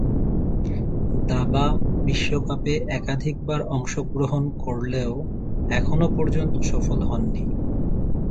দাবা বিশ্বকাপে একাধিকবার অংশগ্রহণ করলেও এখনো পর্যন্ত সফল হননি।